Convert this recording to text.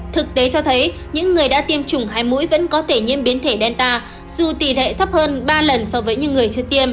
thực tế cho thấy những người đã tiêm chủng hai mũi vẫn có thể nhiễm biến thể delta dù tỷ lệ thấp hơn ba lần so với những người chưa tiêm